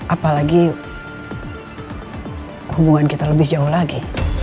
apalagi hubungan kita lebih jauh lagi